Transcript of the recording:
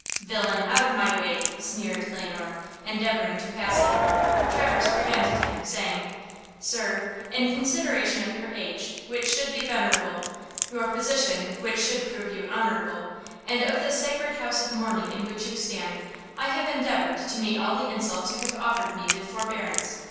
"Villain, out of my way!" sneered Le Noir, endeavoring to pass him. Traverse prevented him, saying: "Sir, in consideration of your age, which should be venerable, your position which should prove you honorable, and of this sacred house of mourning in which you stand, I have endeavored to meet all the insults you have offered me with forbearance.